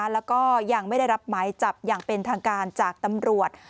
แล้วก็ยังไม่ได้รับหมายจับอย่างเป็นทางการจากตำรวจ